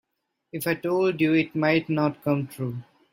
If I told you it might not come true.